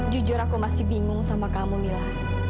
jujur aku masih bingung sama kamu mila